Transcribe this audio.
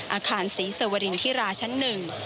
อาคารศรีสวรินทิราชั้นหนึ่ง